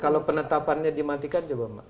kalau penetapannya dimatikan coba